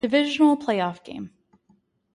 Divisional Playoff Game.